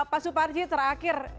pak suparji terakhir